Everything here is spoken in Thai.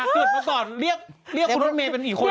อ่ะเกิดมาก่อนเรียกคุณลูกเมนเป็นอีกคน